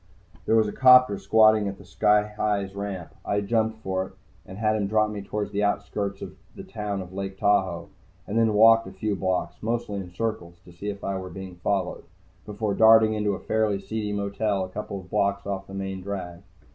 There was a 'copter squatting at the Sky Hi's ramp. I jumped for it and had him drop me toward the outskirts of the town of Lake Tahoe, and then walked a few blocks, mostly in circles to see if I were being followed, before darting into a fairly seedy motel a couple blocks off the main drag.